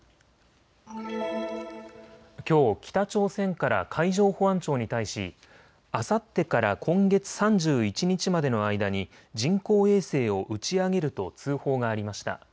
きょう北朝鮮から海上保安庁に対しあさってから今月３１日までの間に人工衛星を打ち上げると通報がありました。